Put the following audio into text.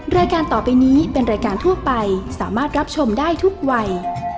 รายการต่อไปนี้เป็นรายการทั่วไปสามารถรับชมได้ทุกวัย